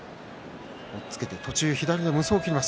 押っつけて途中で無双を切ります。